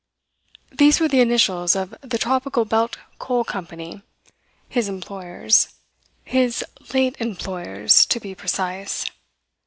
These were the initials of the Tropical Belt Coal Company, his employers his late employers, to be precise.